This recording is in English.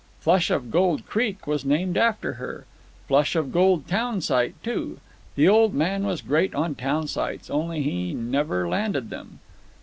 Flush of Gold Creek was named after her—Flush of Gold town site, too. The old man was great on town sites, only he never landed them.